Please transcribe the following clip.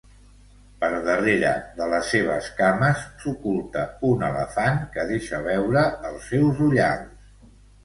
Per darrere de les seves cames s'oculta un elefant que deixa veure els seus ullals.